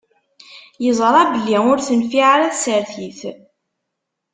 Yeẓṛa belli ur tenfiɛ ara tsertit.